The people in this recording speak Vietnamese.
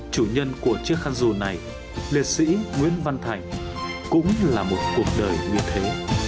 chủ nhân của chiếc khăn rù này liệt sĩ nguyễn văn thành cũng là một cuộc đời như thế